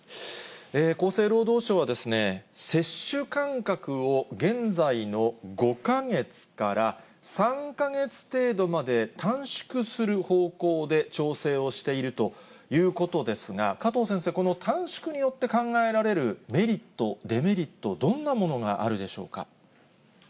厚生労働省は、接種間隔を現在の５か月から３か月程度まで短縮する方向で調整をしているということですが、加藤先生、この短縮によって考えられるメリット、デメリット、どんなものがあるでしょうか。